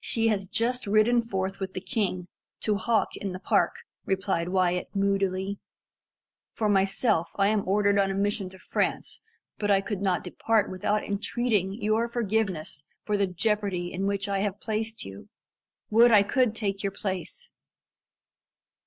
"She has just ridden forth with the king, to hawk in the park," replied Wyat moodily. "For myself, l am ordered on a mission to France, but I could not depart without entreating your forgiveness for the jeopardy in which I have placed you. Would I could take your place."